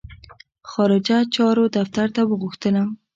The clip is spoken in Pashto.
خارجه چارو دفتر ته وغوښتلم.